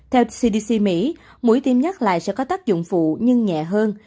theo cdc mỹ mũi tiêm nhắc lại sẽ có tác dụng phụ nhưng nhẹ hơn